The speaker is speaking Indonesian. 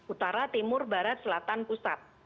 utara timur barat selatan pusat